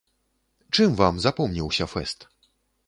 Чым вам запомніўся фэст?